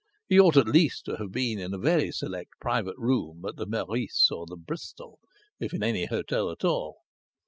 He ought at least to have been in a very select private room at the Meurice or the Bristol, if in any hotel at all!